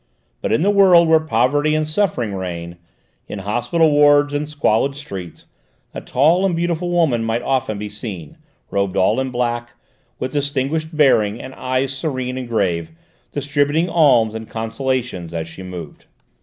But in the world where poverty and suffering reign, in hospital wards and squalid streets, a tall and beautiful woman might often be seen, robed all in black, with distinguished bearing and eyes serene and grave, distributing alms and consolation as she moved.